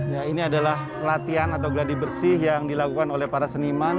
ya ini adalah latihan atau gladi bersih yang dilakukan oleh para seniman